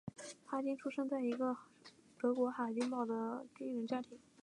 哈丁出生在德国海德堡的一个军人家庭。